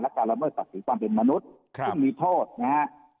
การละเมิดศักดิ์ศรีความเป็นมนุษย์ซึ่งมีโทษนะฮะ